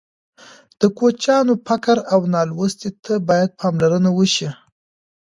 د کوچیانو فقر او نالوستي ته باید پاملرنه وشي.